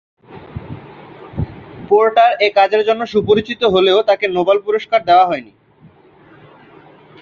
Porter এ কাজের জন্য সুপরিচিত হলেও তাকে নোবেল পুরস্কার দেওয়া হয়নি।